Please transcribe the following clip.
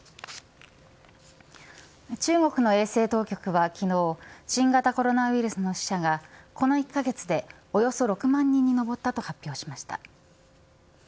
中国の衛生当局は昨日新型コロナウイルスの死者がこの１カ月でおよそ６万人に上ったと発表しました。